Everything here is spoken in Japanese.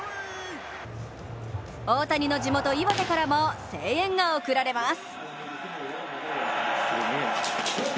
大谷の地元、岩手からも声援が送られます。